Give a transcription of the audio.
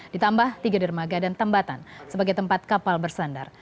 ditambah tiga dermaga dan tembatan sebagai tempat kapal bersandar